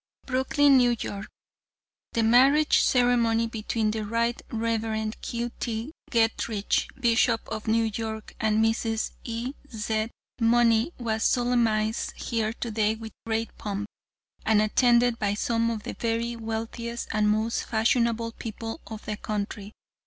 "Brooklyn, N. Y.: The marriage ceremony between the Right Reverend Q. T. Getrich, Bishop of New York, and Mrs. E. Z. Money was solemnized here today with great pomp, and attended by some of the very wealthiest and most fashionable people of the country.